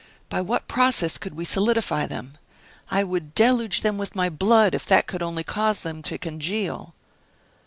By what process could we solidify them? I would deluge them with my blood if that could only cause them to congeal."